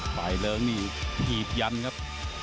ฝ่ายเหลิงนี่ถีกยันครับ